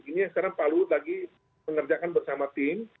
ini yang sekarang pak luhut lagi mengerjakan bersama tim